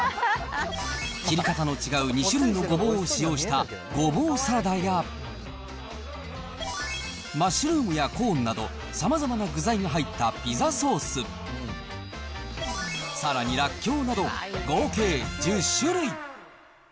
切り方の違う２種類のごぼうを使用したごぼうサラダや、マッシュルームやコーンなど、さまざまな具材が入ったピザソース、さらにらっきょうなど、合計１０種類。